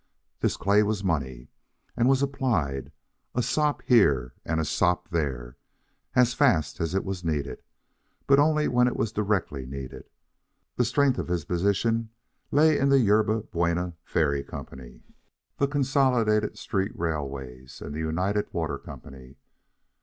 This clay was money, and was applied, a sop here and a sop there, as fast as it was needed, but only when it was directly needed. The strength of his position lay in the Yerba Buena Ferry Company, the Consolidated Street Railways, and the United Water Company.